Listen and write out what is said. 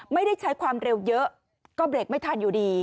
ไม่ได้ใช้ความเร็วเยอะก็เบรกไม่ทันอยู่ดี